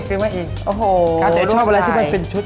ครับเด็กชอบอะไรที่มันเป็นชุด